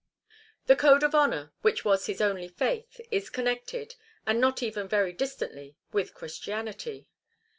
The code of honour, which was his only faith, is connected, and not even very distantly, with Christianity.